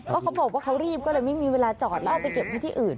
ก็เขาบอกว่าเขารีบก็เลยไม่มีเวลาจอดแล้วเอาไปเก็บไว้ที่อื่น